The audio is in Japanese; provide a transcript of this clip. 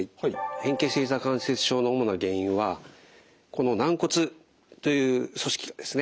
変形性ひざ関節症の主な原因はこの軟骨という組織がですね